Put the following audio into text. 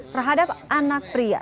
terhadap anak pria